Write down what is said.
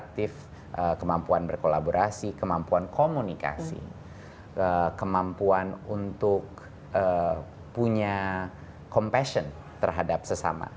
aktif kemampuan berkolaborasi kemampuan komunikasi kemampuan untuk punya compassion terhadap sesama